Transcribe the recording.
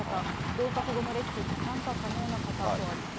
合格後のレッスンに参加可能な方とあります。